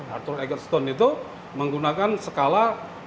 arthur eggstone itu menggunakan skala